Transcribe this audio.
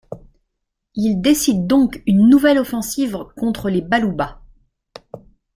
Il décide donc une nouvelle offensive contre les baluba.